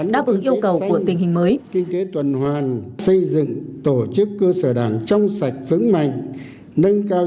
đáp ứng yêu cầu của tình hình mới